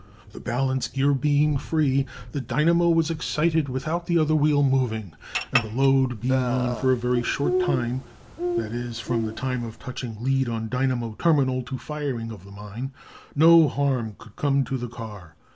The balance gear being free, the dynamo was excited without the other wheel moving, and the load being on for a very short time (that is, from the time of touching lead on dynamo terminal to firing of the mine) no harm could come to the car.